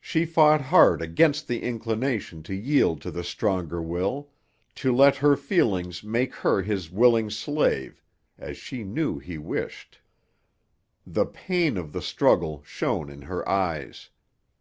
She fought hard against the inclination to yield to the stronger will, to let her feelings make her his willing slave, as she knew he wished. The pain of the struggle shone in her eyes.